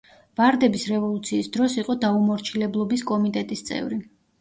ვარდების რევოლუციის დროს იყო „დაუმორჩილებლობის კომიტეტის“ წევრი.